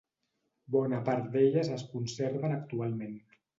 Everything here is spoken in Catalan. Bona part d'elles es conserven actualment.